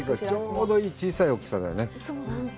ちょうどいい、小さい大きさだね。